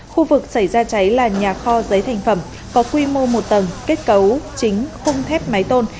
khu vực xảy ra cháy là nhà kho giấy thành phẩm có quy mô một tầng kết cấu chính khung thép máy tôn